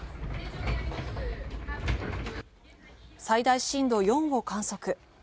最大震度４を観測。